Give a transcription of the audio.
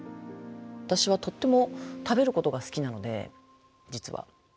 私はとっても食べることが好きなので実は。